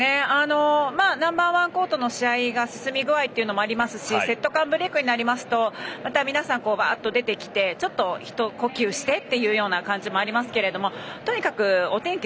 ナンバー１コートの試合の進み具合もありますしセット間ブレークになりますと皆さん、また出てきてちょっと一呼吸してという感じもありますがとにかくお天気